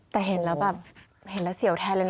แต่เห็นแล้วแบบเห็นแล้วเสียวแทนเลยนะ